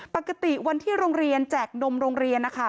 ปกติวันที่โรงเรียนแจกนมโรงเรียนนะคะ